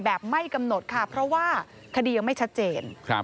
ไม่กำหนดค่ะเพราะว่าคดียังไม่ชัดเจน